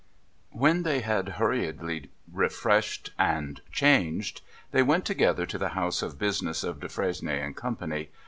When they had hurriedly refreshed and changed, they went together to the house of business of Defresnier and Company.